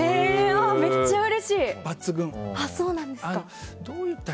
めっちゃうれしい！